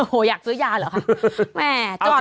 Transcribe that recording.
โอ้โฮอยากซื้อยาเหรอคะแม่จอดรถก่อนสิ